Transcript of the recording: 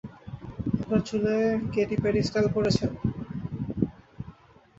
আপনার চুলে Katie-paddy style করেছেন?